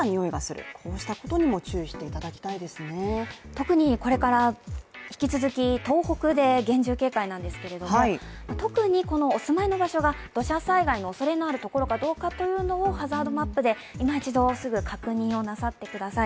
特にこれから引き続き東北で厳重警戒なんですけど特にこのお住まいの場所が土砂災害のおそれがあるかどうかということはハザードマップで今一度、すぐ確認をなさってください。